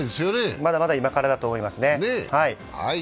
まだまだ今からだと思いますね。